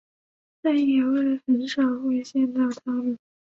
在野外很少会见到它们。